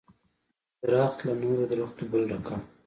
درخت له نورو درختو بل رقم و.